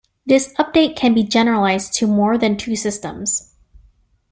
This update can be generalized to more than two systems.